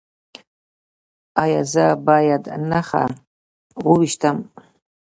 ایا زه باید نښه وویشتم؟